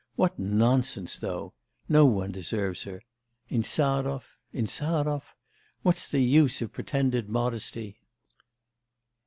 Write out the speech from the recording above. What nonsense, though! No one deserves her... Insarov... Insarov ... What's the use of pretended modesty?